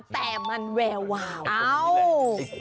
แต่มันแวววาว